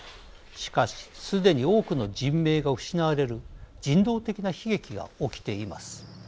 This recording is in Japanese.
しかし、すでに多くの人命が失われる人道的な悲劇が起きています。